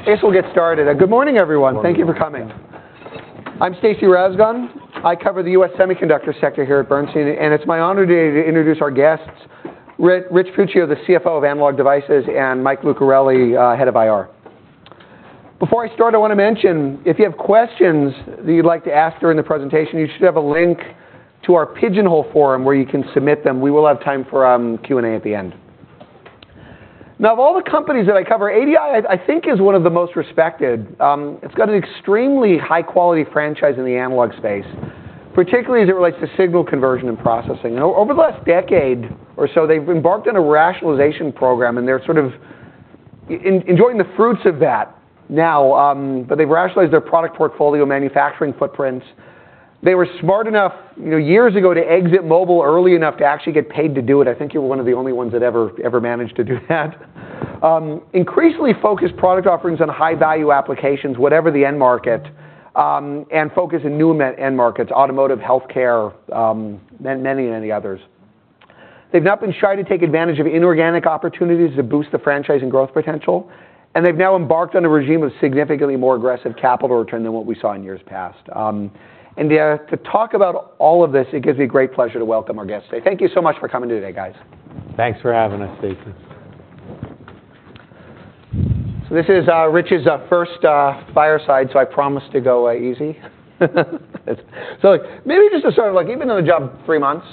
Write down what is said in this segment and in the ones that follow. I guess we'll get started. Good morning, everyone. Good morning. Thank you for coming. I'm Stacy Rasgon. I cover the U.S. Semiconductor sector here at Bernstein, and it's my honor today to introduce our guests, Rich Puccio, the CFO of Analog Devices, and Mike Lucarelli, Head of IR. Before I start, I wanna mention, if you have questions that you'd like to ask during the presentation, you should have a link to our Pigeonhole forum, where you can submit them. We will have time for Q&A at the end. Now, of all the companies that I cover, ADI, I think, is one of the most respected. It's got an extremely high-quality franchise in the analog space, particularly as it relates to signal conversion and processing. Now, over the last decade or so, they've embarked on a rationalization program, and they're sort of enjoying the fruits of that now. But they've rationalized their product portfolio, manufacturing footprints. They were smart enough, you know, years ago, to exit mobile early enough to actually get paid to do it. I think you were one of the only ones that ever, ever managed to do that. Increasingly focused product offerings on high-value applications, whatever the end market, and focus in new end markets: automotive, healthcare, and many, many others. They've not been shy to take advantage of inorganic opportunities to boost the franchising growth potential, and they've now embarked on a regime of significantly more aggressive capital return than what we saw in years past. To talk about all of this, it gives me great pleasure to welcome our guests today. Thank you so much for coming today, guys. Thanks for having us, Stacy. So this is Rich's first fireside, so I promise to go easy. So maybe just to start, like, you've been on the job three months,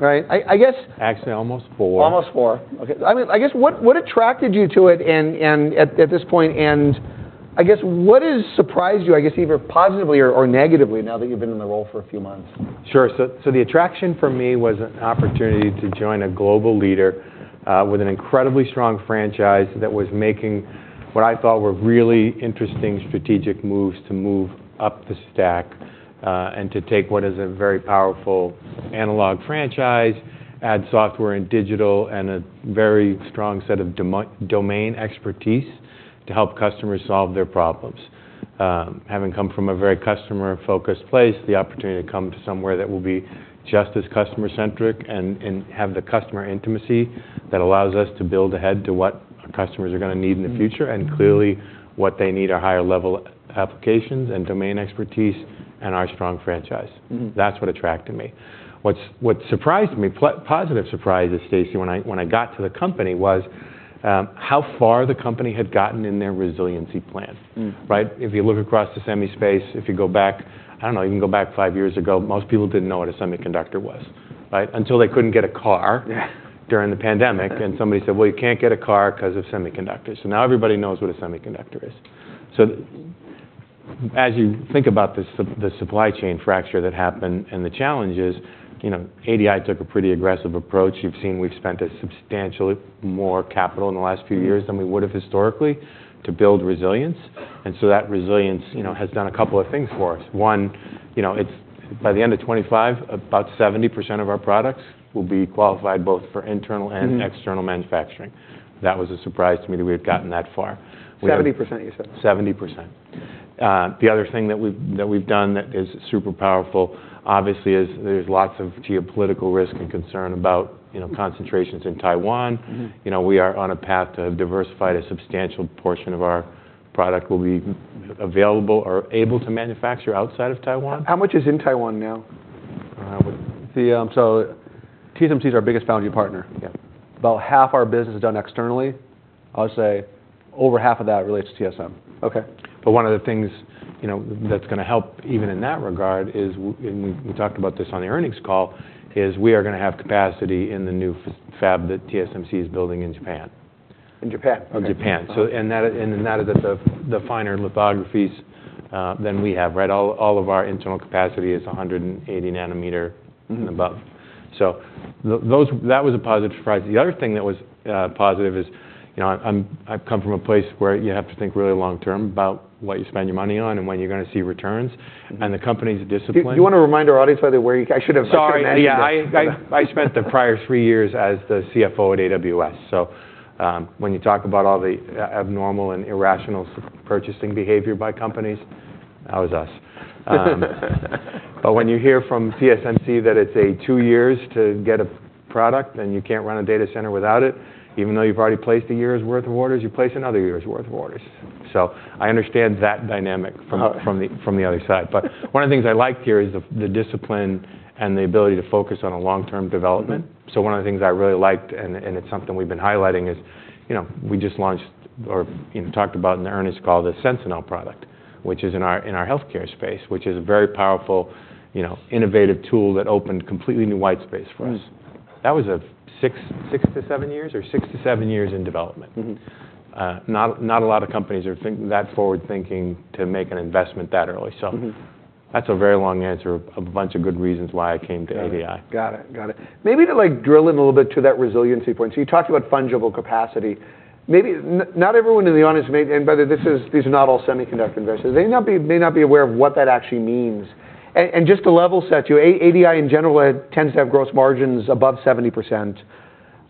right? I guess— Actually, almost four. Almost four. Okay. I mean, I guess, what attracted you to it and at this point, and I guess, what has surprised you, I guess, either positively or negatively now that you've been in the role for a few months? Sure. So the attraction for me was an opportunity to join a global leader with an incredibly strong franchise that was making what I thought were really interesting strategic moves to move up the stack, and to take what is a very powerful analog franchise, add software and digital, and a very strong set of domain expertise to help customers solve their problems. Having come from a very customer-focused place, the opportunity to come to somewhere that will be just as customer-centric and have the customer intimacy that allows us to build ahead to what our customers are gonna need in the future and clearly, what they need are higher-level applications and domain expertise and our strong franchise.. That's what attracted me. What surprised me, positive surprises, Stacy, when I got to the company was how far the company had gotten in their resiliency plan. Right? If you look across the semi space, if you go back, I don't know, you can go back 5 years ago, most people didn't know what a semiconductor was, right? Until they couldn't get a car during the pandemic, and somebody said, "Well, you can't get a car 'cause of semiconductors." So now everybody knows what a semiconductor is. So as you think about the supply chain fracture that happened and the challenges, you know, ADI took a pretty aggressive approach. You've seen we've spent a substantially more capital in the last few years-Mm than we would've historically to build resilience, and so that resilience, you know, has done a couple of things for us. One, you know, it's... by the end of 2025, about 70% of our products will be qualified both for internal and external manufacturing. That was a surprise to me that we had gotten that far. 70%, you said? 70%. The other thing that we've, that we've done that is super powerful, obviously, is there's lots of geopolitical risk and concern about, you know, concentrations in Taiwan.. You know, we are on a path to have diversified. A substantial portion of our product will be available or able to manufacture outside of Taiwan. How much is in Taiwan now? So TSMC is our biggest foundry partner. Yeah. About half our business is done externally. I'll say over half of that relates to TSMC. Okay. One of the things, you know, that's gonna help even in that regard is, and we talked about this on the earnings call, is we are gonna have capacity in the new fab that TSMC is building in Japan. In Japan, okay. In Japan. So that is at the finer lithographies than we have, right? All of our internal capacity is 180 nm and above. So that was a positive surprise. The other thing that was positive is, you know, I've come from a place where you have to think really long term about what you spend your money on and when you're gonna see returns, and the company's discipline- Do you wanna remind our audience, by the way, where you— I should've- Sorry. I should have mentioned it. Yeah, I spent the prior three years as the CFO at AWS, so when you talk about all the abnormal and irrational purchasing behavior by companies, that was us. But when you hear from TSMC that it's two years to get a product, and you can't run a data center without it, even though you've already placed a year's worth of orders, you place another year's worth of orders. So I understand that dynamic from from the other side. But one of the things I liked here is the discipline and the ability to focus on a long-term development. So one of the things I really liked, and it's something we've been highlighting, is, you know, we just launched, or, you know, talked about in the earnings call, the Sensinel product, which is in our healthcare space, which is a very powerful, you know, innovative tool that opened completely new white space for us. That was, 6, 6-7 years, or 6-7 years in development. Not a lot of companies are that forward-thinking to make an investment that early. That's a very long answer of a bunch of good reasons why I came to ADI. Got it. Got it, got it. Maybe to, like, drill in a little bit to that resiliency point, so you talked about fungible capacity. Maybe not everyone in the audience may... and by the way, this is, these are not all semiconductor investors. They may not be, may not be aware of what that actually means. And just to level set you, ADI, in general, tends to have gross margins above 70%.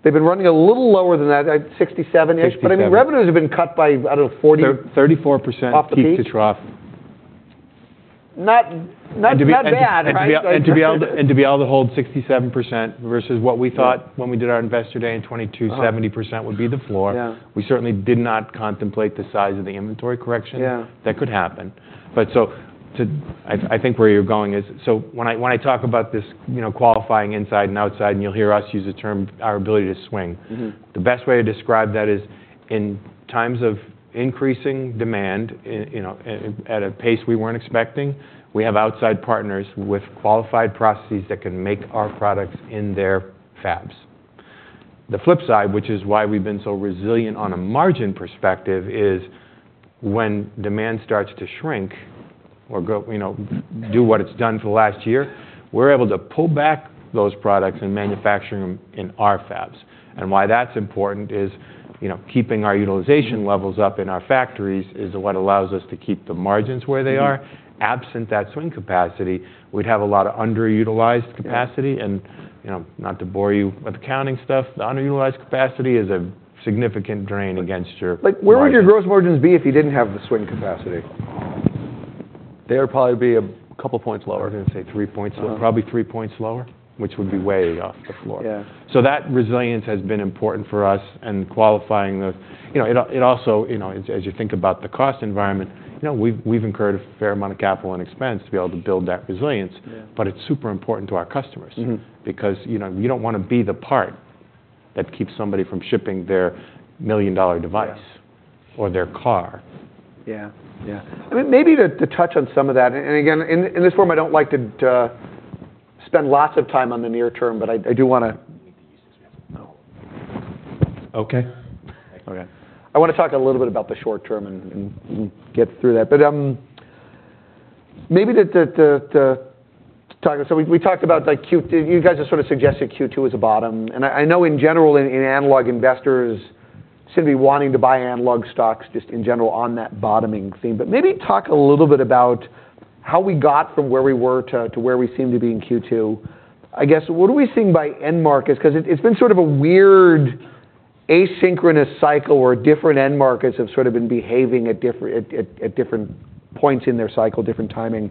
They've been running a little lower than that, at 67%-ish. 67%. I mean, revenues have been cut by, I don't know, 40%- 34%-... off the peak... peak to trough. Not bad, right? And to be able to hold 67% versus what we thought when we did our investor day in 2022, 70% would be the floor. We certainly did not contemplate the size of the inventory correction that could happen. But I think where you're going is— So when I talk about this, you know, qualifying inside and outside, and you'll hear us use the term, our ability to swing. The best way to describe that is, in times of increasing demand, you know, at a pace we weren't expecting, we have outside partners with qualified processes that can make our products in their fabs. The flip side, which is why we've been so resilient on a margin perspective, is when demand starts to shrink or go, you know, do what it's done for the last year, we're able to pull back those products and manufacture them in our fabs. Why that's important is, you know, keeping our utilization levels up in our factories is what allows us to keep the margins where they are. Absent that swing capacity, we'd have a lot of underutilized capacity. You know, not to bore you with accounting stuff, the underutilized capacity is a significant drain against your- Like, where would your gross margins be if you didn't have the swing capacity? They would probably be a couple points lower. I was gonna say three points lower. Probably three points lower, which would be way off the floor. So that resilience has been important for us, and qualifying the— you know, it also, you know, as you think about the cost environment, you know, we've incurred a fair amount of capital and expense to be able to build that resilience. But it's super important to our customers. because, you know, you don't wanna be the part that keeps somebody from shipping their million-dollar device or their car. Yeah. Yeah. I mean, maybe to touch on some of that, and again, in this forum, I don't like to spend lots of time on the near term, but I do wanna- I think you use this one. Oh, okay. Okay. I wanna talk a little bit about the short term and get through that. But maybe—So we talked about, like, Q2. You guys have sort of suggested Q2 as a bottom. And I know in general, in Analog, investors seem to be wanting to buy Analog stocks just in general on that bottoming theme. But maybe talk a little bit about how we got from where we were to where we seem to be in Q2. I guess, what do we see by end markets? 'Cause it's been sort of a weird asynchronous cycle, where different end markets have sort of been behaving at different points in their cycle, different timing.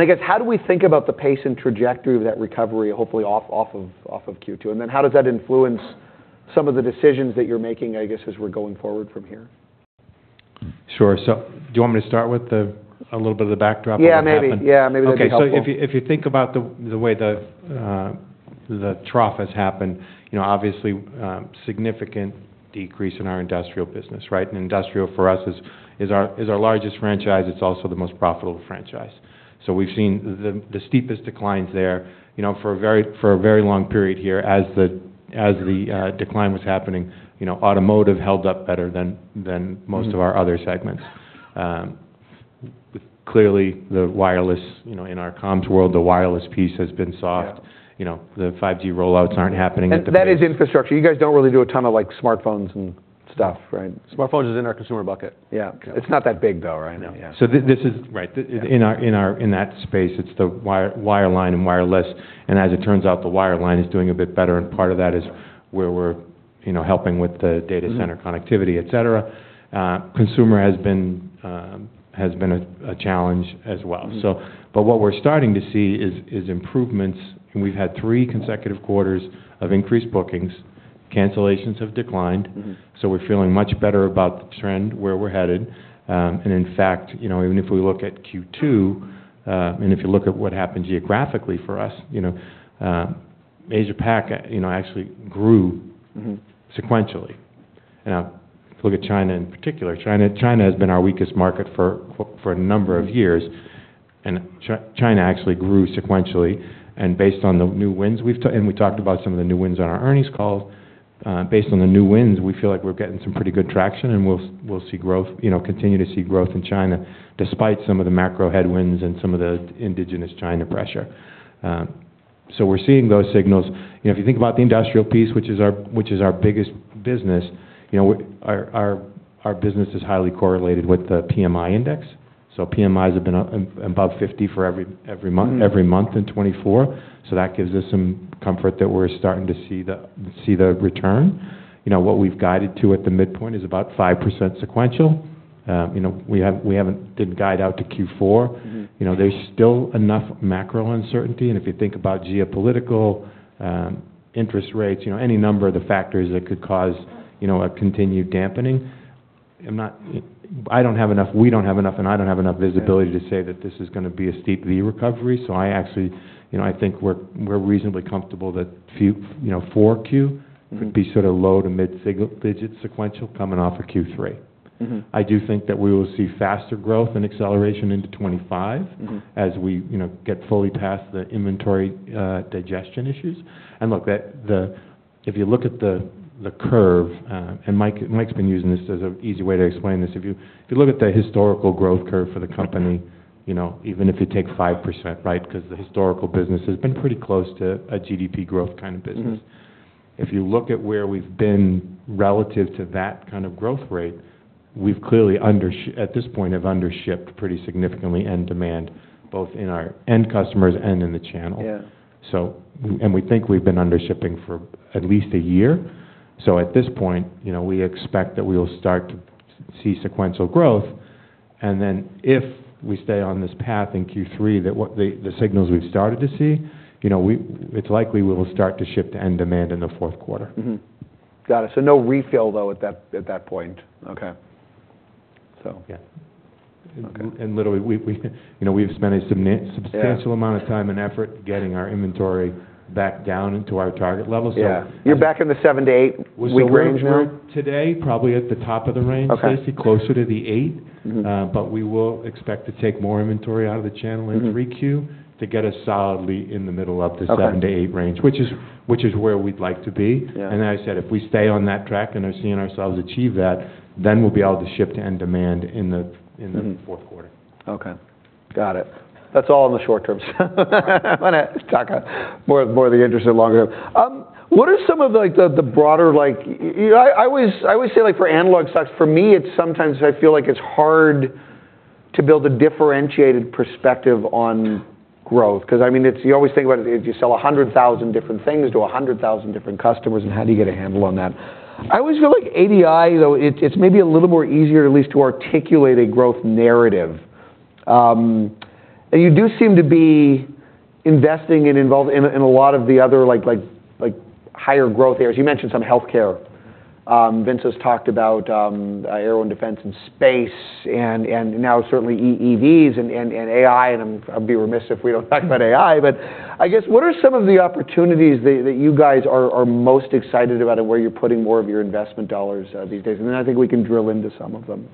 I guess, how do we think about the pace and trajectory of that recovery, hopefully off of Q2? And then how does that influence some of the decisions that you're making, I guess, as we're going forward from here? Sure. So do you want me to start with the... a little bit of the backdrop of what happened? Yeah, maybe. Yeah, maybe that'd be helpful. Okay. So if you think about the way the trough has happened, you know, obviously, significant decrease in our industrial business, right? And industrial for us is our largest franchise, it's also the most profitable franchise. So we've seen the steepest declines there, you know, for a very long period here. As the decline was happening, you know, automotive held up better than most of our other segments. Clearly, the wireless, you know, in our comms world, the wireless piece has been soft. You know, the 5G rollouts aren't happening at the pace- That is infrastructure. You guys don't really do a ton of, like, smartphones and stuff, right? Smartphones is in our consumer bucket. Yeah. Okay. It's not that big, though, right? Yeah. So this is right. Yeah. In our in that space, it's the wireline and wireless. And as it turns out, the wireline is doing a bit better, and part of that is where we're, you know, helping with the data center connectivity, et cetera. Consumer has been a challenge as well. So, but what we're starting to see is improvements, and we've had three consecutive quarters of increased bookings. Cancellations have declined. So we're feeling much better about the trend, where we're headed. And in fact, you know, even if we look at Q2, and if you look at what happened geographically for us, you know, Asia Pac, you know, actually grew sequentially. You know, if you look at China in particular, China has been our weakest market for a number of years.. China actually grew sequentially. Based on the new wins, we've talked about some of the new wins on our earnings call. Based on the new wins, we feel like we're getting some pretty good traction, and we'll see growth, you know, continue to see growth in China, despite some of the macro headwinds and some of the indigenous China pressure. So we're seeing those signals. You know, if you think about the industrial piece, which is our biggest business, you know, our business is highly correlated with the PMI index. So PMIs have been above 50 for every month in 2024, so that gives us some comfort that we're starting to see the return. You know, what we've guided to at the midpoint is about 5% sequential. You know, we haven't did guide out to Q4. You know, there's still enough macro uncertainty, and if you think about geopolitical, interest rates, you know, any number of the factors that could cause, you know, a continued dampening. I'm not—I don't have enough—we don't have enough, and I don't have enough visibility to say that this is gonna be a steep V recovery. So I actually, you know, I think we're, we're reasonably comfortable that few, you know, 4Q could be sort of low- to mid-single digits sequential coming off of Q3. I do think that we will see faster growth and acceleration into 2025 as we, you know, get fully past the inventory digestion issues. And look, the- if you look at the curve, and Mike, Mike's been using this as an easy way to explain this. If you, if you look at the historical growth curve for the company, you know, even if you take 5%, right? Because the historical business has been pretty close to a GDP growth kind of business. If you look at where we've been relative to that kind of growth rate, we've clearly at this point have undershipped pretty significantly in demand, both in our end customers and in the channel. Yeah. We think we've been undershipping for at least a year. So at this point, you know, we expect that we will start to see sequential growth, and then if we stay on this path in Q3, the signals we've started to see, you know, it's likely we will start to ship to end demand in the fourth quarter. Got it. So no refill, though, at that, at that point? Okay. So, yeah. Okay. And literally, you know, we've spent a substantial amount of time and effort getting our inventory back down to our target level. So- Yeah. You're back in the seven- to eight-week range now? Was the range we're today, probably at the top of the range basically, closer to the eight. but we will expect to take more inventory out of the channel in 3Q, to get us solidly in the middle of the seven to eight range, which is, which is where we'd like to be. Yeah. As I said, if we stay on that track and are seeing ourselves achieve that, then we'll be able to ship to end demand in the fourth quarter. Okay. Got it. That's all in the short term. I wanna talk more of the interest in the longer term. What are some of the broader, like... You know, I always say, like, for analog stocks, for me, it's sometimes I feel like it's hard to build a differentiated perspective on growth. 'Cause, I mean, it's you always think about it, if you sell 100,000 different things to 100,000 different customers, and how do you get a handle on that? I always feel like ADI, though, it's maybe a little more easier at least to articulate a growth narrative. And you do seem to be investing and involved in a lot of the other, like, higher growth areas. You mentioned some healthcare. Vince has talked about, aero and defense and space and, and now certainly EVs and, and, and AI, and I'd be remiss if we don't talk about AI. But I guess, what are some of the opportunities that, that you guys are, are most excited about, and where you're putting more of your investment dollars, these days? And then I think we can drill into some of them.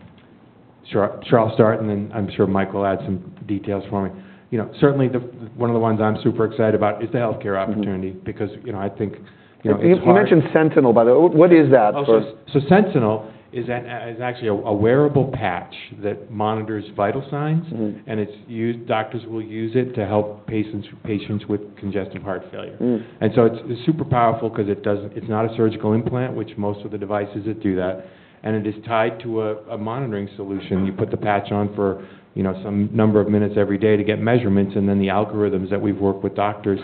Sure. Sure, I'll start, and then I'm sure Mike will add some details for me. You know, certainly the, one of the ones I'm super excited about is the healthcare opportunity because, you know, I think, you know, it's hard- You mentioned Sensinel, by the way. What is that for? Oh, so Sensinel is actually a wearable patch that monitors vital signs. Doctors will use it to help patients with congestive heart failure. So it's super powerful 'cause it's not a surgical implant, which most of the devices that do that, and it is tied to a monitoring solution. You put the patch on for, you know, some number of minutes every day to get measurements, and then the algorithms that we've worked with doctors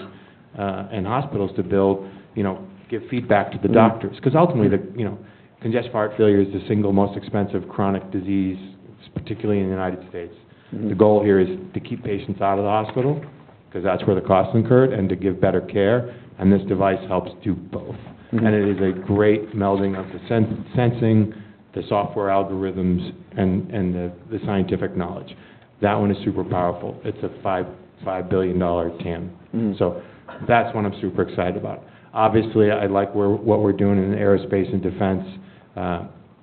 and hospitals to build, you know, give feedback to the doctors. 'Cause ultimately, you know, congestive heart failure is the single most expensive chronic disease, particularly in the United States. The goal here is to keep patients out of the hospital, 'cause that's where the costs incurred, and to give better care, and this device helps do both. It is a great melding of the sensing, the software algorithms, and the scientific knowledge. That one is super powerful. It's a $5 billion TAM. So that's one I'm super excited about. Obviously, I like what we're doing in aerospace and defense.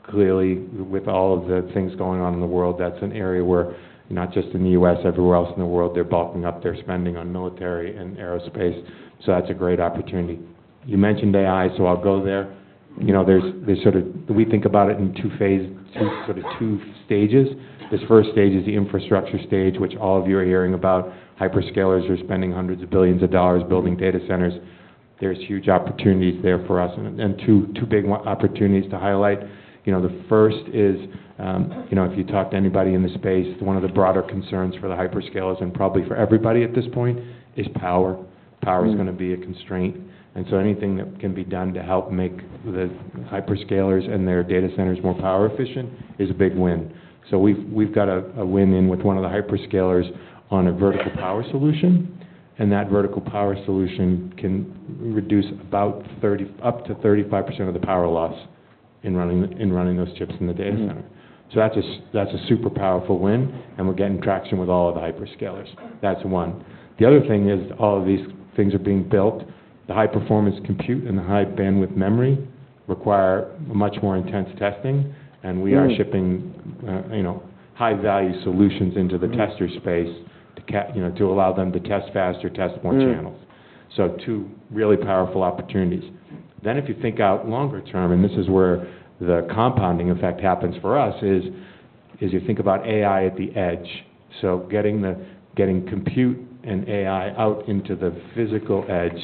Clearly, with all of the things going on in the world, that's an area where, not just in the U.S., everywhere else in the world, they're bulking up their spending on military and aerospace, so that's a great opportunity. You mentioned AI, so I'll go there. You know, there's sort of we think about it in two phases, too, sort of two stages. This first stage is the infrastructure stage, which all of you are hearing about. Hyperscalers are spending hundreds of billions of dollars building data centers. There's huge opportunities there for us, and two big opportunities to highlight. You know, the first is, you know, if you talk to anybody in the space, one of the broader concerns for the hyperscalers, and probably for everybody at this point, is power. Mm. Power is gonna be a constraint, and so anything that can be done to help make the hyperscalers and their data centers more power efficient is a big win. So we've got a win in with one of the hyperscalers on a vertical power solution, and that vertical power solution can reduce up to 35% of the power loss in running those chips in the data center. So that's a super powerful win, and we're getting traction with all of the hyperscalers. That's one. The other thing is, all of these things are being built. The high-performance compute and the high-bandwidth memory require much more intense testing, and we are shipping, you know, high-value solutions into the tester you know, to allow them to test faster, test more channels. Mm. So two really powerful opportunities. Then, if you think out longer term, and this is where the compounding effect happens for us, is you think about AI at the edge. So getting compute and AI out into the physical edge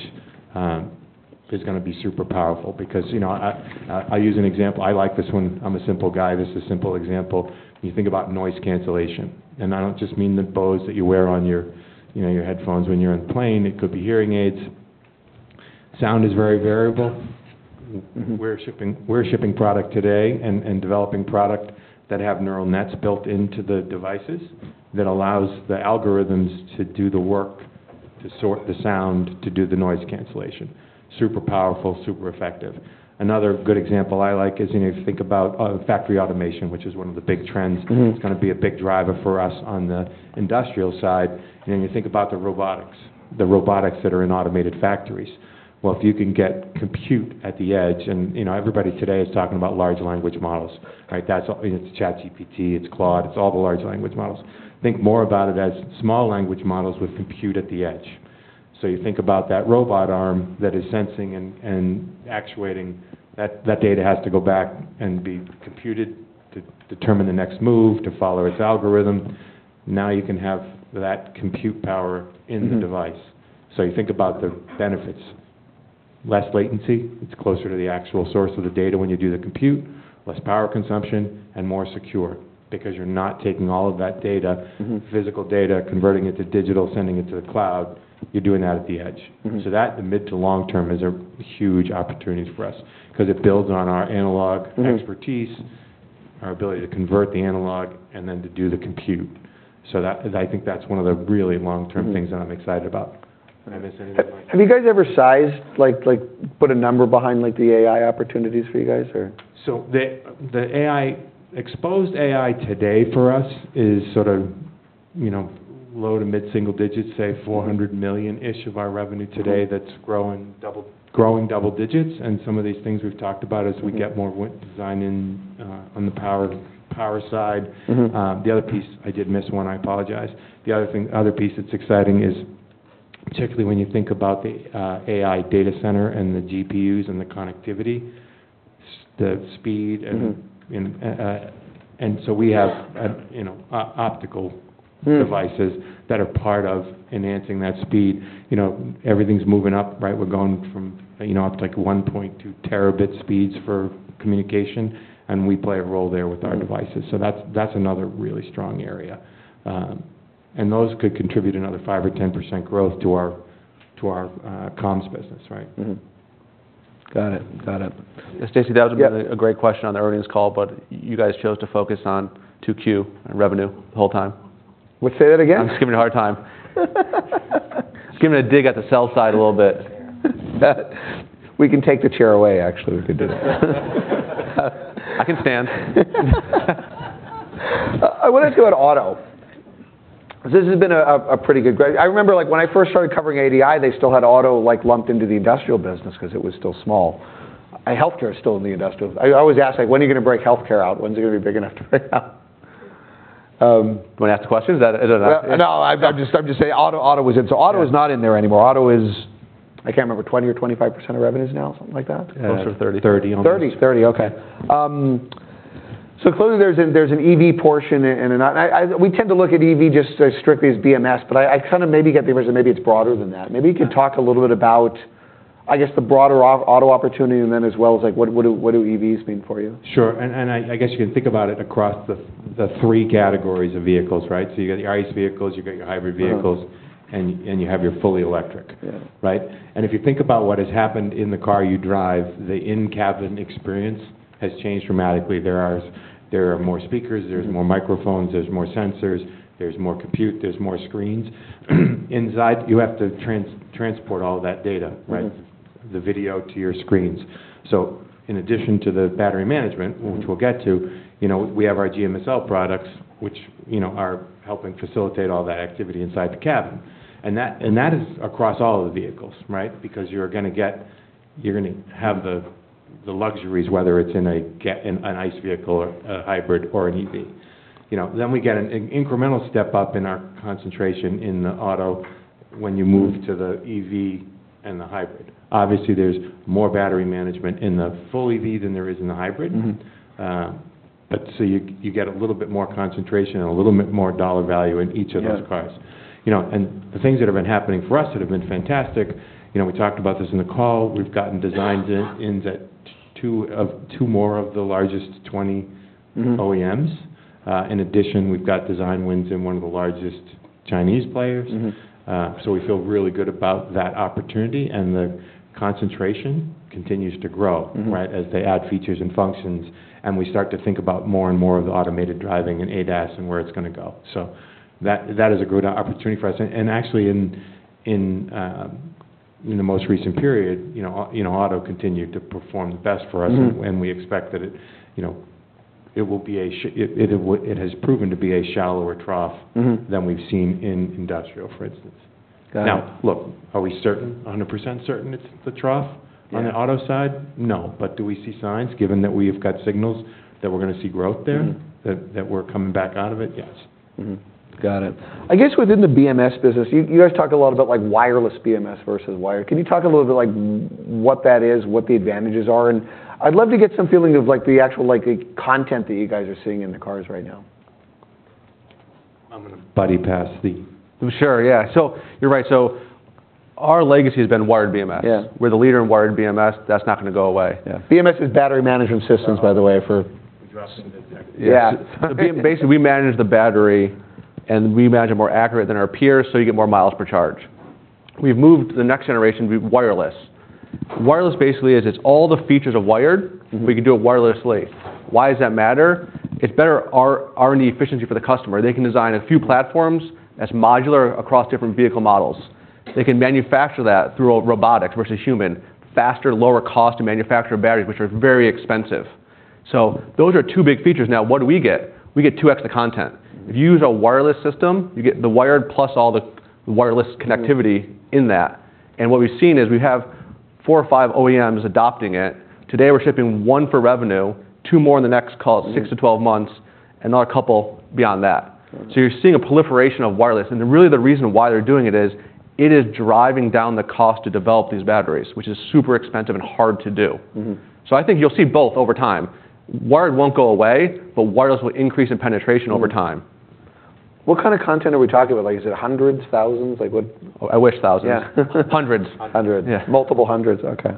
is gonna be super powerful because, you know, I use an example. I like this one. I'm a simple guy; this is a simple example. You think about noise cancellation, and I don't just mean the Bose that you wear on your, you know, your headphones when you're on the plane. It could be hearing aids. Sound is very variable. We're shipping, Me're shipping product today and, and developing product that have neural nets built into the devices, that allows the algorithms to do the work, to sort the sound, to do the noise cancellation. Super powerful, super effective. Another good example I like is, you know, you think about, factory automation, which is one of the big trends. It's gonna be a big driver for us on the industrial side. And then you think about the robotics, the robotics that are in automated factories. Well, if you can get compute at the edge, and, you know, everybody today is talking about large language models, right? That's, you know, it's ChatGPT, it's Claude, it's all the large language models. Think more about it as small language models with compute at the edge. So you think about that robot arm that is sensing and, and actuating, that, that data has to go back and be computed to determine the next move, to follow its algorithm. Now, you can have that compute power in the device. Mm. So you think about the benefits: less latency, it's closer to the actual source of the data when you do the compute; less power consumption; and more secure, because you're not taking all of that data, physical data, converting it to digital, sending it to the cloud. You're doing that at the edge. So that, the mid- to long-term, is a huge opportunity for us, 'cause it builds on our analog expertise, our ability to convert the analog and then to do the compute. So that, 'cause I think that's one of the really long-term things that I'm excited about. Did I miss anything? Have you guys ever sized, like, put a number behind, like, the AI opportunities for you guys, or? The AI-exposed AI today for us is sort of, you know, low to mid-single digits, say, $400 million-ish of our revenue today that's growing double digits, and some of these things we've talked about as we get more design in, on the power side. The other piece, I did miss one, I apologize. The other thing, other piece that's exciting is, particularly when you think about the AI data center and the GPUs and the connectivity, the speed and so we have, you know, optical devices that are part of enhancing that speed. You know, everything's moving up, right? We're going from, you know, up to, like, 1.2 Tb speeds for communication, and we play a role there with our devices. So that's, that's another really strong area. And those could contribute another 5% or 10% growth to our, to our, comms business, right? Got it. Got it. Stacy, that was a great question on the earnings call, but you guys chose to focus on 2Q and revenue the whole time. Well, say that again? I'm just giving you a hard time. Just giving a dig at the sell side a little bit. We can take the chair away, actually. We could do that. I can stand. I wanna ask you about auto. This has been a pretty good—I remember, like, when I first started covering ADI, they still had auto, like, lumped into the industrial business 'cause it was still small. I helped her still in the industrial... I always ask, like, "When are you gonna break healthcare out? When's it gonna be big enough to break out? Wanna ask the question? Is that, is that- No, I'm just saying auto was in... So auto is not in there anymore. Auto is, I can't remember, 20% or 25% of revenues now, something like that? Closer to 30%. 30% almost. 30%? 30%, okay. So clearly, there's an EV portion in that. I... We tend to look at EV just as strictly as BMS, but I kind of maybe get the impression maybe it's broader than that. Yeah. Maybe you can talk a little bit about, I guess, the broader auto opportunity, and then as well as, like, what do EVs mean for you? Sure, I guess you can think about it across the three categories of vehicles, right? So you got your ICE vehicles, you got your hybrid vehicles and you have your fully electric. Yeah. Right? And if you think about what has happened in the car you drive, the in-cabin experience has changed dramatically. There are, there are more speakers, there's more microphones, there's more sensors, there's more compute, there's more screens. Inside, you have to transport all that data, right? The video to your screens. So in addition to the battery management which we'll get to, you know, we have our GMSL products, which, you know, are helping facilitate all that activity inside the cabin. And that is across all of the vehicles, right? Because you're gonna have the luxuries, whether it's in an ICE vehicle or a hybrid or an EV. You know, then we get an incremental step up in our concentration in the auto when you move to the EV and the hybrid. Obviously, there's more battery management in the full EV than there is in the hybrid. You get a little bit more concentration and a little bit more dollar value in each of those cars. You know, the things that have been happening for us that have been fantastic, you know, we talked about this in the call. We've gotten designs in, in two of, two more of the largest 20 OEMs. In addition, we've got design wins in one of the largest Chinese players. We feel really good about that opportunity, and the concentration continues to grow, right. As they add features and functions, and we start to think about more and more of the automated driving and ADAS and where it's gonna go. So that is a good opportunity for us. And actually, in the most recent period, you know, you know, auto continued to perform the best for us and we expect that it, you know, it has proven to be a shallower trough than we've seen in industrial, for instance. Got it. Now, look, are we certain, 100% certain it's the trough on the auto side? No. But do we see signs, given that we've got signals, that we're gonna see growth there that we're coming back out of it? Yes. Got it. I guess within the BMS business, you, you guys talk a lot about, like, wireless BMS versus wired. Can you talk a little bit, like, what that is, what the advantages are? And I'd love to get some feeling of, like, the actual, like, content that you guys are seeing in the cars right now. I'm gonna buddy pass the- Sure, yeah. So you're right. So our legacy has been wired BMS. Yeah. We're the leader in wired BMS. That's not gonn a go away. Yeah. BMS is battery management systems, by the way. Addressing the tech. Yeah. So basically, we manage the battery, and we manage it more accurate than our peers, so you get more miles per charge. We've moved to the next generation with wireless. Wireless basically is, it's all the features of wired we can do it wirelessly. Why does that matter? It's better R&D efficiency for the customer. They can design a few platforms that's modular across different vehicle models. They can manufacture that through a robotic versus human, faster, lower cost to manufacture batteries, which are very expensive. So those are two big features. Now, what do we get? We get two extra content. If you use a wireless system, you get the wired plus all the wireless connectivity in that. What we've seen is, we have four or five OEMs adopting it. Today, we're shipping one for revenue, two more in the next, call it six to 12 months and another couple beyond that. Mm. So you're seeing a proliferation of wireless, and really, the reason why they're doing it is, it is driving down the cost to develop these batteries, which is super expensive and hard to do. I think you'll see both over time. Wired won't go away, but wireless will increase in penetration over time. What kind of content are we talking about? Like, is it hundreds, thousands? Like what? I wish thousands. Yeah. Hundreds. Hundreds. Yeah. Multiple hundreds, Okay.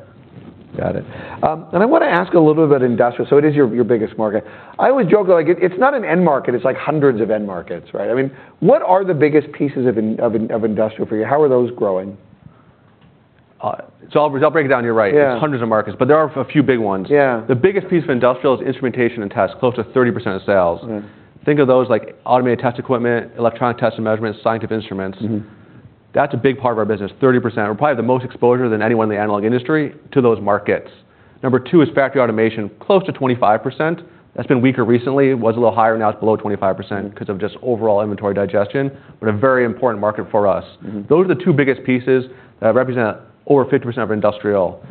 Got it. And I wanna ask a little bit about industrial. So it is your, your biggest market. I always joke, like, it, it's not an end market, it's like hundreds of end markets, right? I mean, what are the biggest pieces of industrial for you? How are those growing? So I'll, I'll break it down. You're right. Yeah. It's hundreds of markets, but there are a few big ones. Yeah. The biggest piece of industrial is instrumentation and test, close to 30% of sales. Right. Think of those like automated test equipment, electronic test and measurements, scientific instruments. That's a big part of our business, 30%. We're probably the most exposure than anyone in the analog industry to those markets. Number two is factory automation, close to 25%. That's been weaker recently. It was a little higher, now it's below 25% 'cause of just overall inventory digestion, but a very important market for us Those are the two biggest pieces that represent over 50% of our industrial.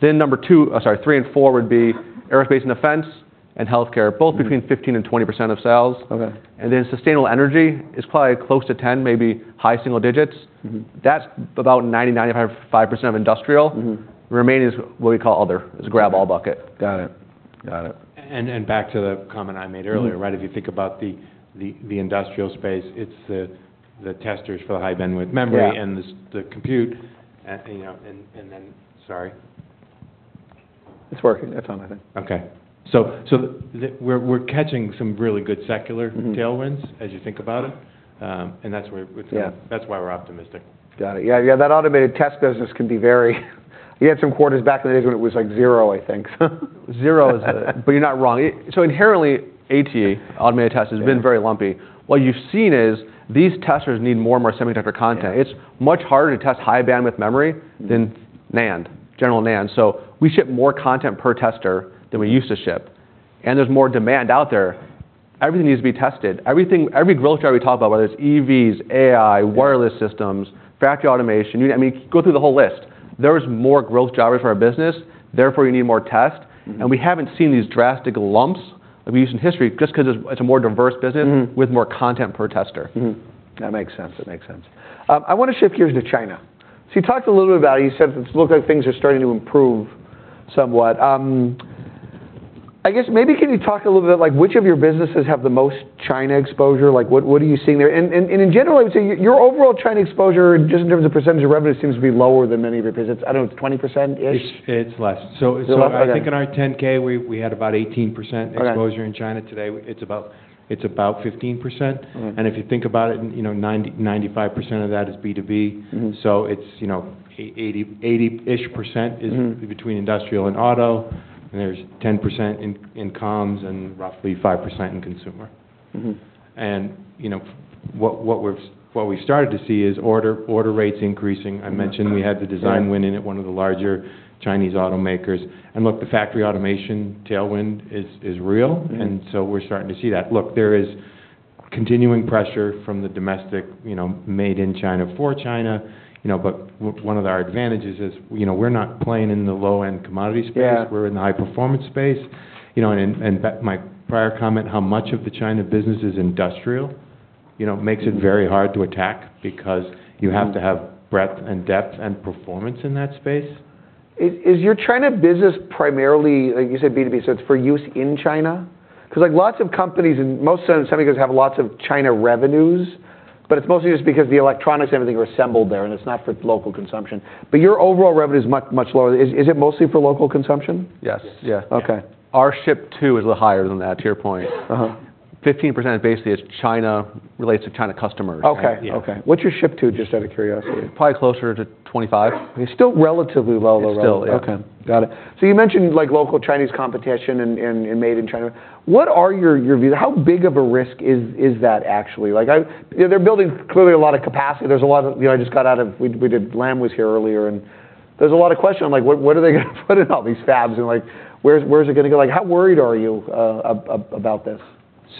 Then number two, sorry, three and four would be aerospace and defense, and healthcare. Both between 15% and 20% of sales. Sustainable energy is probably close to 10, maybe high-single digits. That's about 99.5% of industrial. Remaining is what we call other, it's a grab-all bucket. Got it. Got it. And back to the comment I made earlier, right. If you think about the industrial space, it's the testers for the high-bandwidth memory and the compute, you know, and then... Sorry. It's working. It's on, I think. Okay. So we're catching some really good secular tailwinds as you think about it. And that's where that's why we're optimistic. Got it. Yeah, yeah, that automated test business can be very. We had some quarters back in the days when it was like zero, I think so. Zero is, but you're not wrong. So inherently, ATE, automated test has been very lumpy. What you've seen is, these testers need more and more semiconductor content. It's much harder to test High Bandwidth Memory than NAND, general NAND. So we ship more content per tester than we used to ship, and there's more demand out there. Everything needs to be tested. Everything- every growth chart we talk about, whether it's EVs, AI, wireless systems, factory automation, I mean, go through the whole list. There is more growth drivers for our business, therefore, you need more test. We haven't seen these drastic lumps that we've seen in history just 'cause it's a more diverse business with more content per tester. That makes sense, that makes sense. I wanna shift gears to China. So you talked a little bit about, you said it looks like things are starting to improve somewhat. I guess maybe can you talk a little bit, like, which of your businesses have the most China exposure? Like, what, what are you seeing there? And in general, I would say your overall China exposure, just in terms of percentage of revenue, seems to be lower than many of your business. I don't know, it's 20%-ish? It's less. So- So I think in our 10-K, we had about 18% exposure in China. Today, it's about, it's about 15%. If you think about it, you know, 95% of that is B2B. It's, you know, 80-ish% is between industrial and auto, and there's 10% in comms, and roughly 5% in consumer. You know, what we started to see is order rates increasing. I mentioned we had the design win in at one of the larger Chinese automakers. And look, the factory automation tailwind is real and so we're starting to see that. Look, there is continuing pressure from the domestic, you know, made in China for China, you know, but one of our advantages is, you know, we're not playing in the low-end commodity space we're in the high-performance space. You know, and back to my prior comment, how much of the China business is industrial, you know makes it very hard to attack, because you have to have breadth, and depth, and performance in that space. Is your China business primarily, like you said, B2B, so it's for use in China? 'Cause like lots of companies, and most semiconductors have lots of China revenues, but it's mostly just because the electronics and everything are assembled there, and it's not for local consumption. But your overall revenue is much, much lower. Is it mostly for local consumption? Yes. Yes. Yeah. Okay. Our ship-to is a little higher than that, to your point. 15% basically is China, relates to China customers. Okay. Yeah. Okay. What's your ship to, just out of curiosity? Probably closer to 25%. It's still relatively low, though, right? It's still, yeah. Okay, got it. So you mentioned, like, local Chinese competition and made in China. What are your view - how big of a risk is that actually? Like, I... They're building clearly a lot of capacity. There's a lot of - you know, I just got out of - we did - Lam was here earlier, and there's a lot of question on, like, what are they gonna put in all these fabs? And like, where's it gonna go? Like, how worried are you about this?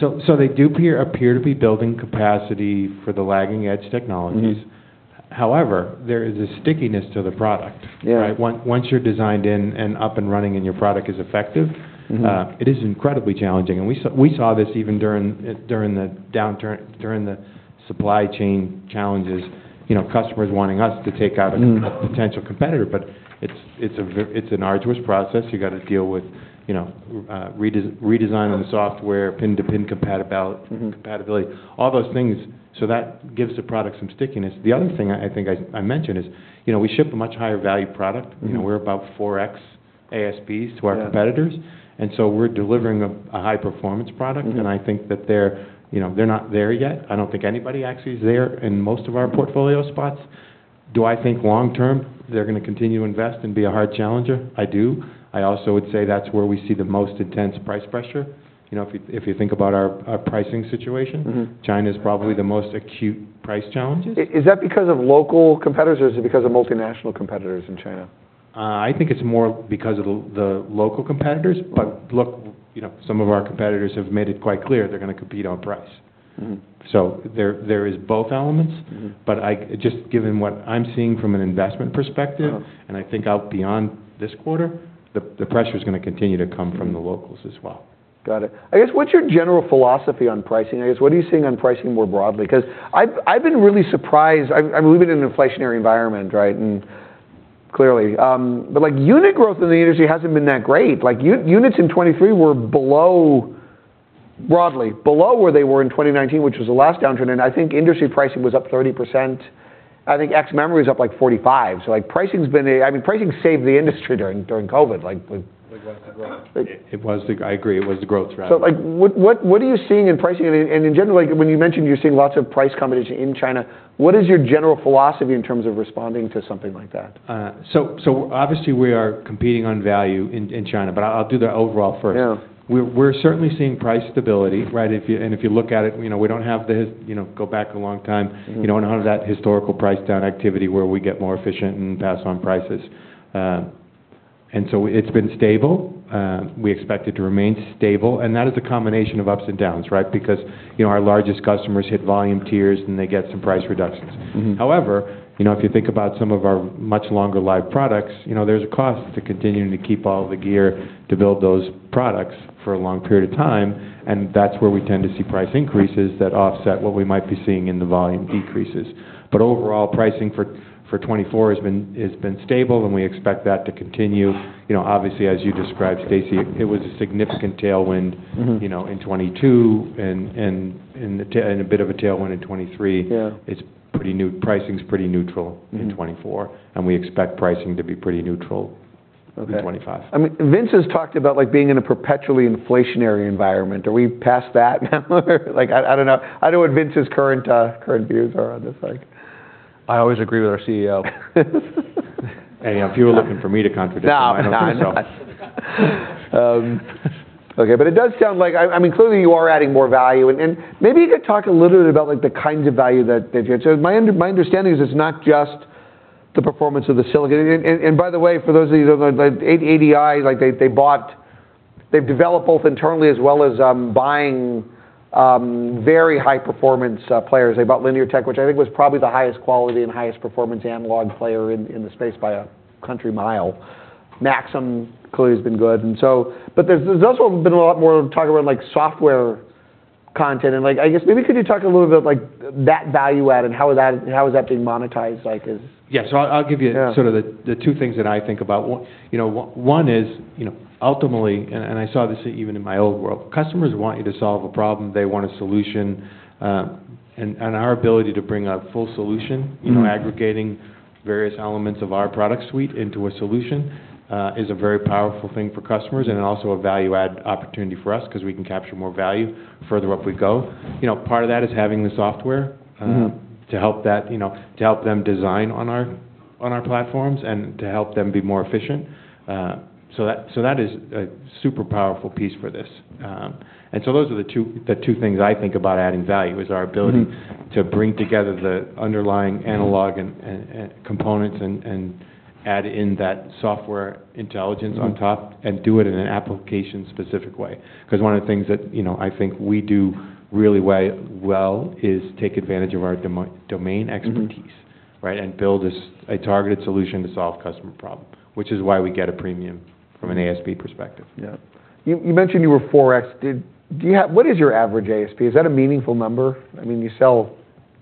So, they do appear to be building capacity for the lagging-edge technologies. However, there is a stickiness to the product. Yeah. Right? Once you're designed in and up and running, and your product is effective, it is incredibly challenging. And we saw this even during the supply chain challenges, you know, customers wanting us to take out a potential competitor. But it's an arduous process, you've got to deal with, you know, redesigning the software, pin-to-pin compatibility compatibility, all those things. So that gives the product some stickiness. The other thing I think I mentioned is, you know, we ship a much higher value product. You know, we're about 4x ASPs to our competitors, and so we're delivering a high-performance product. I think that they're, you know, they're not there yet. I don't think anybody actually is there in most of our portfolio spots. Do I think long-term, they're gonna continue to invest and be a hard challenger? I do. I also would say that's where we see the most intense price pressure. You know, if you think about our pricing situation, China is probably the most acute price challenges. Is that because of local competitors, or is it because of multinational competitors in China? I think it's more because of the local competitors. Mm. Look, you know, some of our competitors have made it quite clear they're gonna compete on price. So there is both elements. But just given what I'm seeing from an investment perspective and I think out beyond this quarter, the pressure is gonna continue to come from the locals as well. Got it. I guess, what's your general philosophy on pricing? I guess, what are you seeing on pricing more broadly? Because I've been really surprised... I believe we're in an inflationary environment, right? And clearly. But like, unit growth in the industry hasn't been that great. Like, units in 2023 were broadly below where they were in 2019, which was the last downturn, and I think industry pricing was up 30%. I think ex memory was up, like, 45%. So, like, pricing's been. I mean, pricing saved the industry during COVID, like with- Like, was the growth. I agree, it was the growth thread. So, like, what are you seeing in pricing? And in general, like, when you mentioned you're seeing lots of price competition in China, what is your general philosophy in terms of responding to something like that? So obviously, we are competing on value in China, but I'll do the overall first. Yeah. We're certainly seeing price stability, right? If you... And if you look at it, you know, we don't have the, you know, go back a long time. You don't have that historical price down activity where we get more efficient and pass on prices. And so it's been stable. We expect it to remain stable, and that is a combination of ups and downs, right? Because, you know, our largest customers hit volume tiers, and they get some price reductions. However, you know, if you think about some of our much longer life products, you know, there's a cost to continuing to keep all the gear to build those products for a long period of time, and that's where we tend to see price increases that offset what we might be seeing in the volume decreases. But overall, pricing for 2024 has been stable, and we expect that to continue. You know, obviously, as you described, Stacy, it was a significant tailwind you know, in 2022, and a bit of a tailwind in 2023. Yeah. It's pretty neutral. Pricing's pretty neutral in 2024 and we expect pricing to be pretty neutral in 2025. I mean, Vince has talked about, like, being in a perpetually inflationary environment. Are we past that now? Like, I, I don't know. I don't know what Vince's current, current views are on this, like. I always agree with our CEO. If you were looking for me to contradict, I don't think so. No, I'm not. Okay, but it does sound like... I mean, clearly, you are adding more value. And maybe you could talk a little bit about, like, the kinds of value that you had. So my understanding is it's not just the performance of the silicon. And by the way, for those of you who don't know, like, ADI, like, they've developed both internally as well as buying very high-performance players. They bought Linear Tech, which I think was probably the highest quality and highest performance analog player in the space by a country mile. Maxim clearly has been good, and so... But there's also been a lot more talk around, like, software content and, like, I guess, maybe could you talk a little bit, like, that value add and how is that, how is that being monetized, like, as- Yeah. So I'll give you- Yeah... sort of the two things that I think about. You know, one is, you know, ultimately, and I saw this even in my old world, customers want you to solve a problem. They want a solution, and our ability to bring a full solution you know, aggregating various elements of our product suite into a solution, is a very powerful thing for customers and also a value-add opportunity for us 'cause we can capture more value the further up we go. You know, part of that is having the software to help that, you know, to help them design on our, on our platforms and to help them be more efficient. So that, so that is a super powerful piece for this. And so those are the two, the two things I think about adding value, is our ability to bring together the underlying analog and components and add in that software intelligence on top and do it in an application-specific way. 'Cause one of the things that, you know, I think we do really well is take advantage of our domain expertise right, and build a targeted solution to solve customer problem, which is why we get a premium from an ASP perspective. Yeah. You mentioned you were 4x. Do you have what is your average ASP? Is that a meaningful number? I mean, you sell,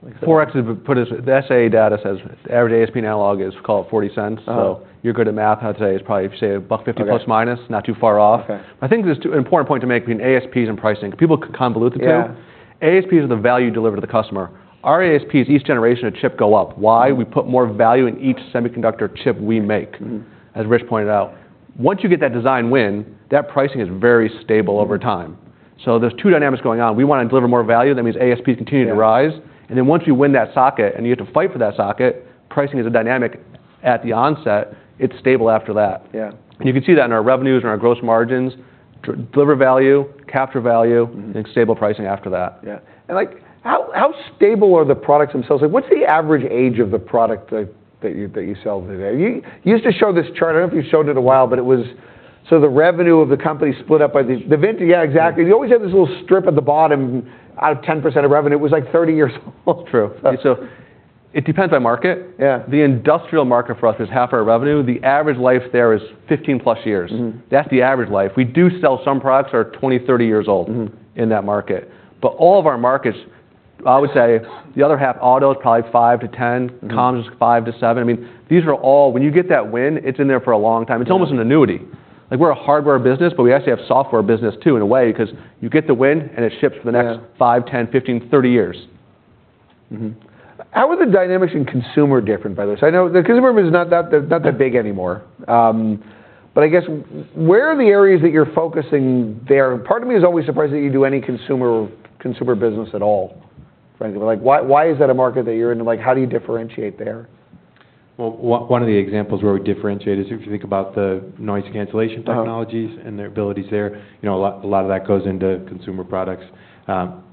like- 4X is put as the SA data says average ASP analog is, call it $0.40. Oh. So if you're good at math, I'd say it's probably, say, $1.50±, not too far off. Okay. I think there's two important points to make between ASPs and pricing. People could convolute the two. ASPs are the value delivered to the customer. Our ASPs, each generation of chip go up. Why? We put more value in each semiconductor chip we make. As Rich pointed out, once you get that design win, that pricing is very stable over time. So there's two dynamics going on. We wanna deliver more value, that means ASP continue to rise. Yeah. And then once you win that socket, and you have to fight for that socket, pricing is a dynamic at the onset, it's stable after that. Yeah. You can see that in our revenues and our gross margins. Deliver value, capture value, then stable pricing after that. Yeah. And like, how stable are the products themselves? Like, what's the average age of the product that you sell today? You used to show this chart. I don't know if you've showed it in a while, but it was... So the revenue of the company split up by these – the vintage – yeah, exactly. You always have this little strip at the bottom. Out of 10% of revenue, it was like 30 years old. True. So it depends on market. Yeah. The industrial market for us is half our revenue. The average life there is 15+ years. That's the average life. We do sell some products that are 20, 30 years old in that market. But all of our markets, I would say the other half, auto, is probably five to 10 comms is five to seven. I mean, these are all- when you get that win, it's in there for a long time. It's almost an annuity. Like, we're a hardware business, but we actually have software business, too, in a way, 'cause you get the win, and it ships for the next five, 10, 15, 30 years. .How are the dynamics in consumer different, by the way? So I know the consumer business is not that, not that big anymore. But I guess, where are the areas that you're focusing there? Part of me is always surprised that you do any consumer, consumer business at all, frankly. But, like, why, why is that a market that you're in, and, like, how do you differentiate there? Well, one, one of the examples where we differentiate is if you think about the noise cancellation technologies and their abilities there, you know, a lot, a lot of that goes into consumer products.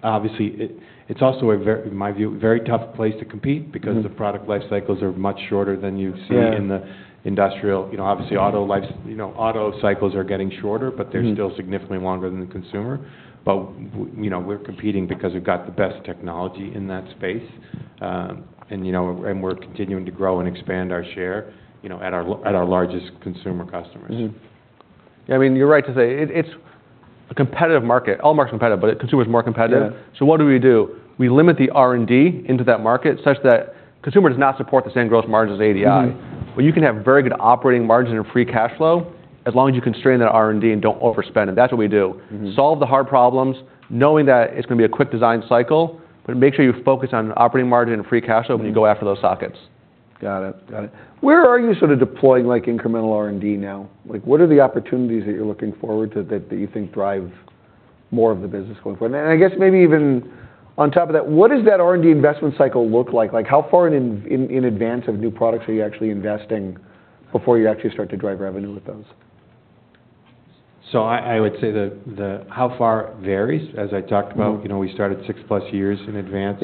Obviously, it's also a very, in my view, a very tough place to compete because the product life cycles are much shorter than you see in the industrial. You know, obviously, auto cycles are getting shorter but they're still significantly longer than the consumer. But you know, we're competing because we've got the best technology in that space. And you know, we're continuing to grow and expand our share, you know, at our largest consumer customers. I mean, you're right to say, it's a competitive market. All markets are competitive, but consumer is more competitive. So what do we do? We limit the R&D into that market such that consumer does not support the same growth margin as ADI. But you can have very good operating margin and free cash flow, as long as you constrain that R&D and don't overspend, and that's what we do. Solve the hard problems, knowing that it's gonna be a quick design cycle, but make sure you focus on operating margin and free cash flow when you go after those sockets. Got it. Got it. Where are you sort of deploying, like, incremental R&D now? Like, what are the opportunities that you're looking forward to that you think drive more of the business going forward? And I guess maybe even on top of that, what does that R&D investment cycle look like? Like, how far in advance of new products are you actually investing before you actually start to drive revenue with those? So I would say that the how far varies. As I talked about you know, we started six plus years in advance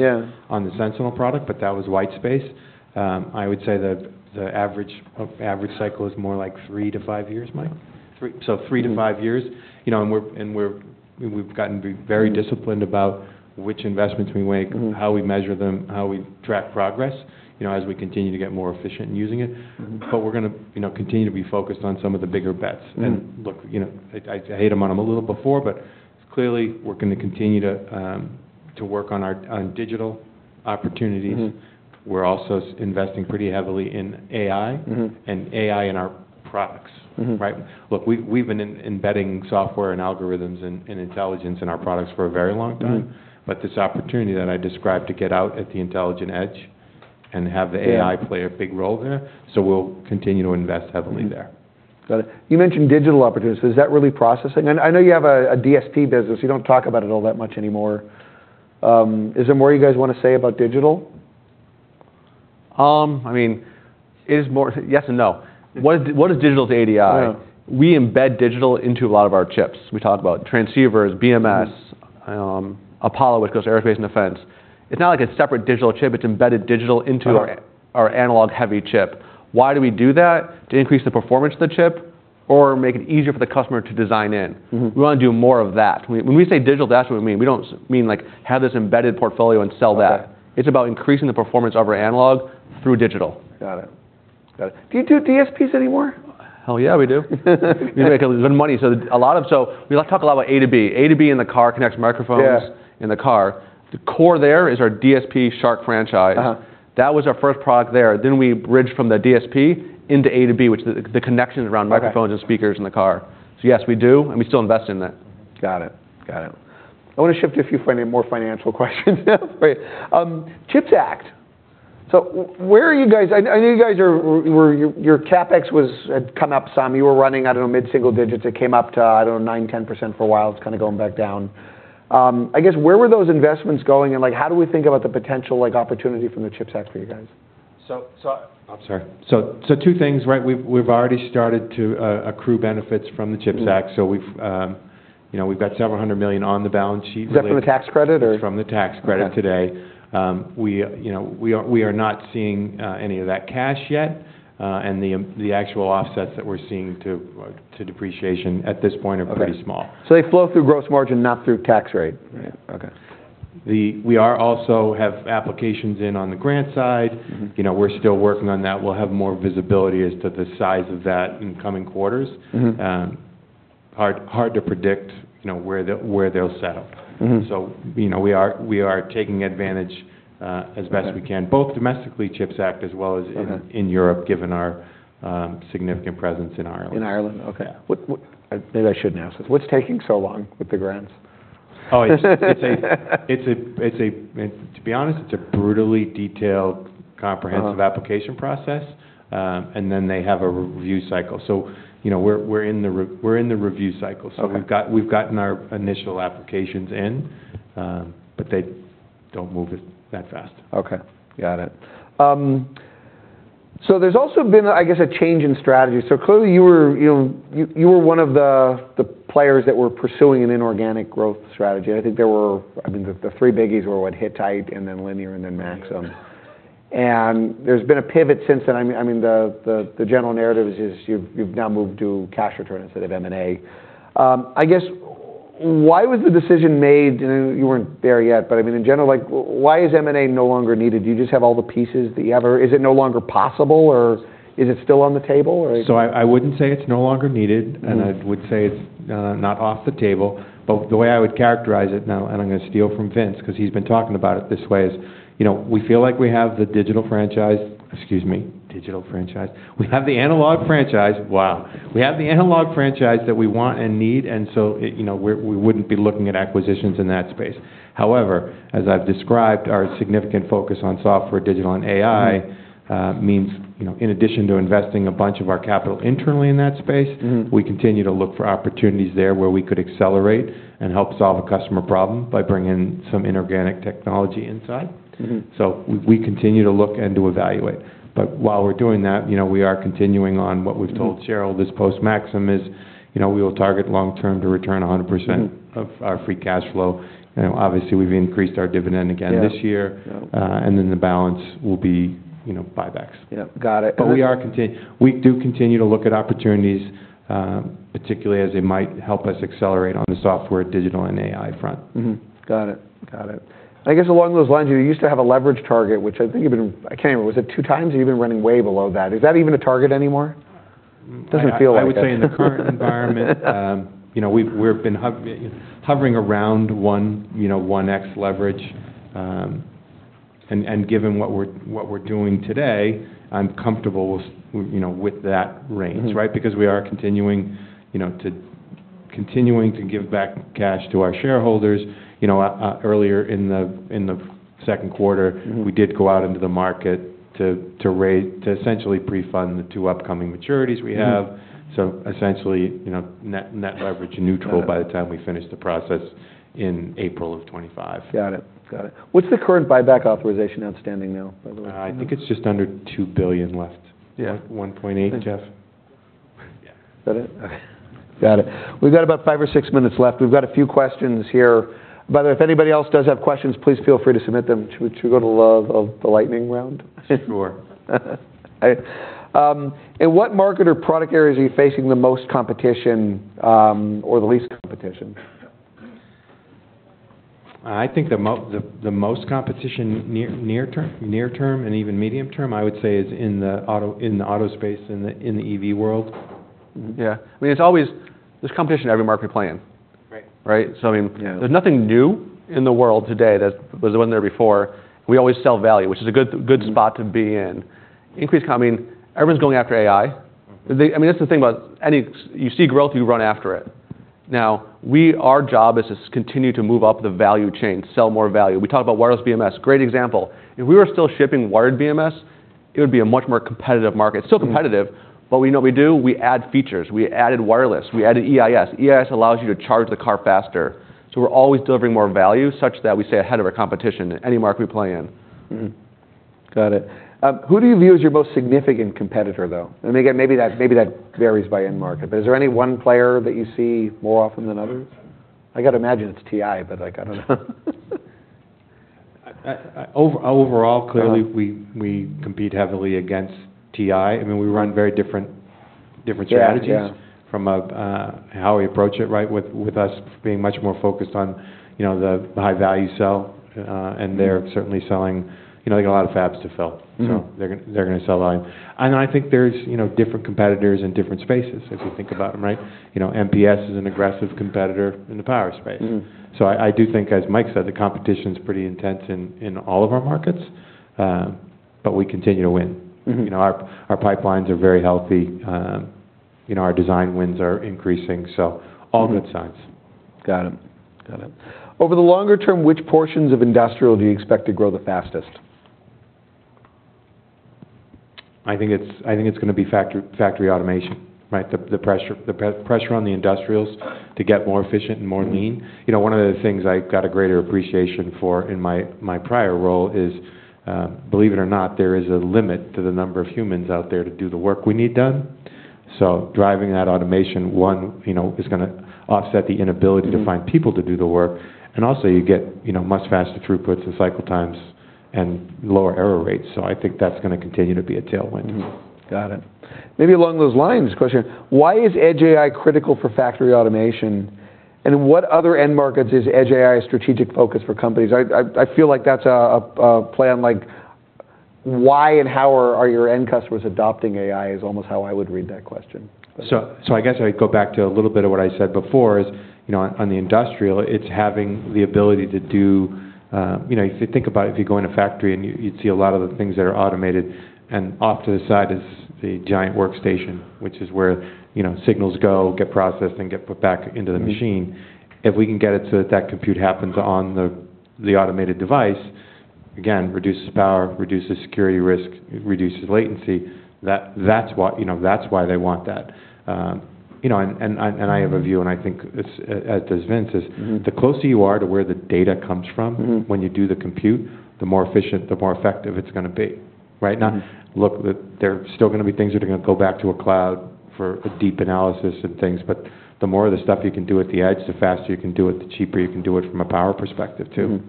on the Sensinel product, but that was white space. I would say that the average, of average cycle is more like three to five years, Mike? Three. So three to five years, you know, and we've gotten to be very disciplined about which investments we make. How we measure them, how we track progress, you know, as we continue to get more efficient in using it. But we're gonna, you know, continue to be focused on some of the bigger bets. Look, you know, I hit them on them a little before, but clearly, we're gonna continue to work on our digital opportunities. We're also investing pretty heavily in AI and AI in our products. Right? Look, we've been embedding software and algorithms and intelligence in our products for a very long time. But this opportunity that I described to get out at the Intelligent Edge and have the AI play a big role there, so we'll continue to invest heavily there. Got it. You mentioned digital opportunities. Is that really processing? And I know you have a DSP business. You don't talk about it all that much anymore. Is there more you guys want to say about digital? I mean, it is more, yes and no. What is digital to ADI? Yeah. We embed digital into a lot of our chips. We talked about transceivers, BMS, Apollo, which goes to aerospace and defense. It's not like a separate digital chip. It's embedded digital into our analog-heavy chip. Why do we do that? To increase the performance of the chip or make it easier for the customer to design in. We want to do more of that. When we say digital, that's what we mean. We don't mean, like, have this embedded portfolio and sell that. Got it. It's about increasing the performance of our analog through digital. Got it. Got it. Do you do DSPs anymore? Hell, yeah, we do. We make good money. So we like to talk a lot about A2B. A2B in the car connects microphones in the car. The core there is our DSP SHARC franchise. That was our first product there. Then we bridged from the DSP into A2B, which the connection around microphones and speakers in the car. So yes, we do, and we still invest in that. Got it. Got it. I want to shift to a few more financial questions. CHIPS Act. So where are you guys... I know you guys were, your CapEx had come up some. You were running, I don't know, mid-single digits. It came up to, I don't know, 9%-10% for a while. It's kind of going back down. I guess, where were those investments going, and, like, how do we think about the potential, like, opportunity from the CHIPS Act for you guys? I'm sorry. So, two things, right? We've already started to accrue benefits from the CHIPS Act. So we've, you know, we've got $several hundred million on the balance sheet- Is that from the tax credit, or? It's from the tax credit today. Okay. We, you know, we are not seeing any of that cash yet. And the actual offsets that we're seeing to depreciation at this point are pretty small. Okay. So they flow through gross margin, not through tax rate? Yeah. Okay. We are also have applications in on the grant side. You know, we're still working on that. We'll have more visibility as to the size of that in coming quarters. Hard, hard to predict, you know, where they'll settle. You know, we are, we are taking advantage, as best we can both domestically, CHIPS Act, as well as in Europe, given our significant presence in Ireland. In Ireland, okay. What, what - maybe I shouldn't ask this: What's taking so long with the grants? Oh, to be honest, it's a brutally detailed, comprehensive application process. And then they have a review cycle. So, you know, we're in the review cycle. Okay. So we've got- we've gotten our initial applications in, but they don't move it that fast. Okay, got it. So there's also been, I guess, a change in strategy. So clearly, you were one of the players that were pursuing an inorganic growth strategy. I think—I mean, the three biggies were what, Hittite, and then Linear, and then Maxim. And there's been a pivot since then. I mean, the general narrative is just you've now moved to cash return instead of M&A. I guess, why was the decision made, and you weren't there yet, but, I mean, in general, like, why is M&A no longer needed? Do you just have all the pieces that you ever- Is it no longer possible, or is it still on the table, or? I wouldn't say it's no longer needed and I would say it's not off the table. But the way I would characterize it now, and I'm gonna steal from Vince, 'cause he's been talking about it this way, is, you know, we feel like we have the digital franchise... Excuse me, digital franchise. We have the analog franchise. Wow! We have the analog franchise that we want and need, and so, it, you know, we're- we wouldn't be looking at acquisitions in that space. However, as I've described, our significant focus on software, digital, and AI means, you know, in addition to investing a bunch of our capital internally in that space we continue to look for opportunities there where we could accelerate and help solve a customer problem by bringing some inorganic technology inside. So we continue to look and to evaluate. But while we're doing that, you know, we are continuing on what we've told shareholdes, this post-Maxim is, you know, we will target long-term to return 100% of our free cash flow, and obviously, we've increased our dividend again this year. And then the balance will be, you know, buybacks. Yep, got it. But we do continue to look at opportunities, particularly as they might help us accelerate on the software, digital, and AI front. Got it. Got it. I guess, along those lines, you used to have a leverage target, which I think you've been - I can't remember. Was it 2x, or you've been running way below that? Is that even a target anymore? Doesn't feel like it. I would say in the current environment, you know, we've been hovering around 1x leverage, and given what we're doing today, I'm comfortable with, you know, with that range, right? Because we are continuing, you know, to continuing to give back cash to our shareholders. You know, earlier in the second quarter. We did go out into the market to, to raise, to essentially pre-fund the two upcoming maturities we have. Essentially, you know, net, net leverage neutral by the time we finish the process in April of 2025. Got it. Got it. What's the current buyback authorization outstanding now, by the way? I think it's just under $2 billion left $1.8 million, Jeff? Is that it? Got it. We've got about five or six minutes left. We've got a few questions here. By the way, if anybody else does have questions, please feel free to submit them. Should we go to the lightning round? Sure. In what market or product areas are you facing the most competition, or the least competition? I think the most competition near term and even medium term, I would say, is in the auto space, in the EV world. Yeah. I mean, it's always, there's competition in every market we play in. Right? So I mean, there's nothing new in the world today that was the one there before. We always sell value, which is a good, good spot to be in. I mean, everyone's going after AI. I mean, that's the thing about any, you see growth, you run after it. Now, our job is to continue to move up the value chain, sell more value. We talk about wireless BMS. Great example: if we were still shipping wired BMS, it would be a much more competitive market. Still competitive, but we know what we do, we add features, we added wireless, we added EIS. EIS allows you to charge the car faster. So we're always delivering more value, such that we stay ahead of our competition in any market we play in. Got it. Who do you view as your most significant competitor, though? And again, maybe that, maybe that varies by end market, but is there any one player that you see more often than others? I gotta imagine it's TI, but I don't know. Overall, clearly we compete heavily against TI. I mean, we run very different strategies from how we approach it, right? With us being much more focused on, you know, the high value sell. And they're certainly selling... You know, they got a lot of fabs to fill. So they're gonna sell line. And I think there's, you know, different competitors in different spaces, if you think about them, right? You know, MPS is an aggressive competitor in the power space. So I do think, as Mike said, the competition's pretty intense in all of our markets, but we continue to win. You know, our pipelines are very healthy. You know, our design wins are increasing, so all good signs. Got it. Got it. Over the longer term, which portions of industrial do you expect to grow the fastest? I think it's gonna be factory automation, right? The pressure on the industrials to get more efficient and more lean. You know, one of the things I got a greater appreciation for in my prior role is, believe it or not, there is a limit to the number of humans out there to do the work we need done. So driving that automation, you know, is gonna offset the inability to find people to do the work, and also you get, you know, much faster throughputs and cycle times and lower error rates. So I think that's gonna continue to be a tailwind. Got it. Maybe along those lines, question: Why is Edge AI critical for Factory Automation, and what other end markets is Edge AI a strategic focus for companies? I feel like that's a plan, like, why and how are your end customers adopting AI, is almost how I would read that question. So, I guess I'd go back to a little bit of what I said before is, you know, on the industrial, it's having the ability to do. You know, if you think about it, if you go in a factory and you, you'd see a lot of the things that are automated, and off to the side is the giant workstation, which is where, you know, signals go, get processed, and get put back into the machine. If we can get it so that that compute happens on the, the automated device, again, reduces power, reduces security risk, reduces latency. That's why, you know, that's why they want that. You know, and, and I, and I have a view, and I think as does Vince, is the closer you are to where the data comes from when you do the compute, the more efficient, the more effective it's gonna be, right? Now, look, there're still gonna be things that are gonna go back to a cloud for a deep analysis and things, but the more of the stuff you can do at the edge, the faster you can do it, the cheaper you can do it from a power perspective, too.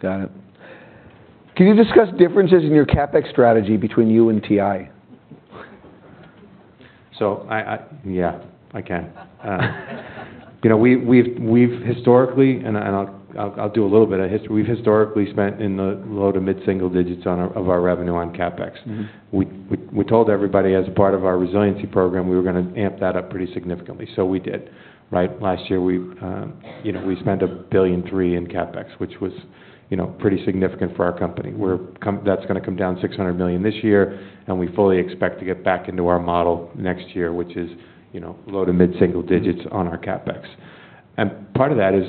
Got it. Can you discuss differences in your CapEx strategy between you and TI? So, yeah, I can. You know, we've historically, and I'll do a little bit of history—we've historically spent in the low- to mid-single digits of our revenue on CapEx. We told everybody as a part of our resiliency program, we were gonna amp that up pretty significantly. So we did, right? Last year, you know, we spent $1.003 billion in CapEx, which was, you know, pretty significant for our company. That's gonna come down $600 million this year, and we fully expect to get back into our model next year, which is, you know, low- to mid-single digits on our CapEx. And part of that is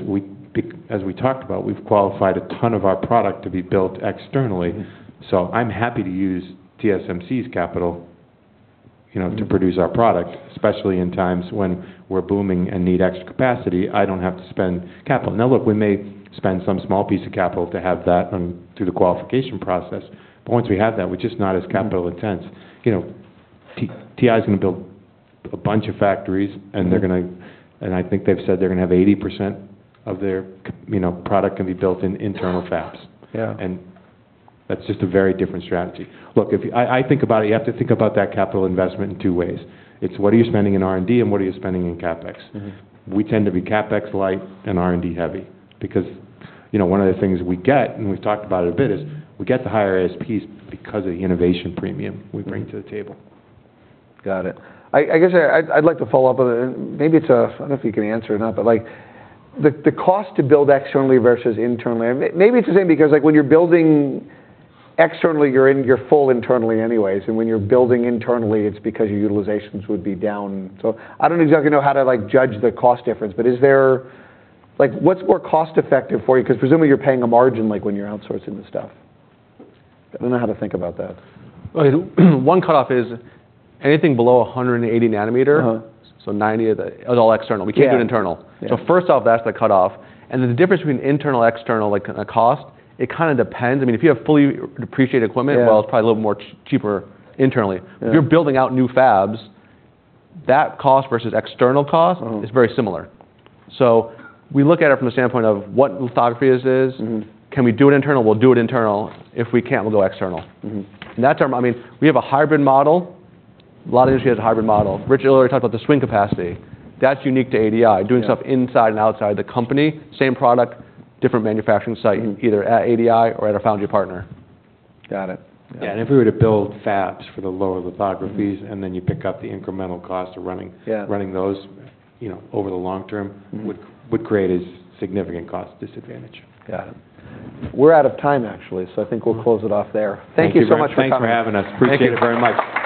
we, as we talked about, we've qualified a ton of our product to be built externally. I'm happy to use TSMC's capital, you know to produce our product, especially in times when we're booming and need extra capacity. I don't have to spend capital. Now, look, we may spend some small piece of capital to have that run through the qualification process, but once we have that, we're just not as capital intense. You know, TI's gonna build a bunch of factories and I think they've said they're gonna have 80% of their, you know, product can be built in internal fabs. Yeah. That's just a very different strategy. Look, if I think about it, you have to think about that capital investment in two ways: It's what are you spending in R&D, and what are you spending in CapEx? We tend to be CapEx light and R&D heavy because, you know, one of the things we get, and we've talked about it a bit, is we get the higher ASPs because of the innovation premium we bring to the table. Got it. I guess I'd like to follow up on that. Maybe it's a... I don't know if you can answer or not, but, like, the cost to build externally versus internally, and maybe it's the same, because, like, when you're building externally, you're full internally anyways, and when you're building internally, it's because your utilizations would be down. So I don't exactly know how to, like, judge the cost difference, but is there... Like, what's more cost effective for you? Because presumably you're paying a margin, like, when you're outsourcing this stuff. I don't know how to think about that. Well, one cutoff is anything below 180 nm. So 90 nm, it's all external. We can't do it internal. So first off, that's the cutoff. And then the difference between internal, external, like, cost, it kind of depends. I mean, if you have fully depreciated equipment well, it's probably a little more cheaper internally. If you're building out new fabs, that cost versus external cost is very similar. So we look at it from the standpoint of what lithography this is. Can we do it internal? We'll do it internal. If we can't, we'll go external. That term, I mean, we have a hybrid model. A lot of industry has a hybrid model. Rich earlier talked about the swing capacity. That's unique to ADI doing stuff inside and outside the company. Same product, different manufacturing site either at ADI or at our foundry partner. Got it. Yeah, and if we were to build fabs for the lower lithographies and then you pick up the incremental cost of running, running those, you know, over the long term would create a significant cost disadvantage. Got it. We're out of time, actually, so I think we'll close it off there. Thank you. Thank you very much for coming. Thanks for having us. Thank you. Appreciate it very much.